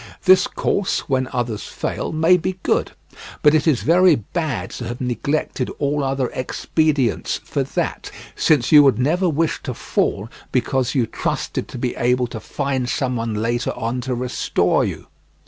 This course, when others fail, may be good, but it is very bad to have neglected all other expedients for that, since you would never wish to fall because you trusted to be able to find someone later on to restore you.